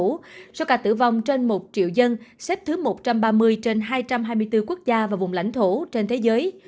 trong số ca tử vong trên một triệu dân xếp thứ một trăm ba mươi trên hai trăm hai mươi bốn quốc gia và vùng lãnh thổ trên thế giới